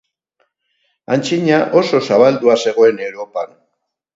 Antzina oso zabaldua zegoen Europan.